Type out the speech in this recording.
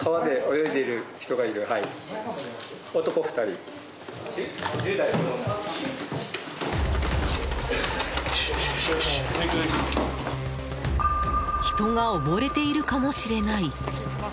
人が溺れているかもしれない。